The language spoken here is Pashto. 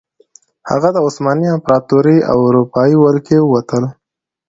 هغه د عثماني امپراتورۍ او اروپايي ولکې ووتل.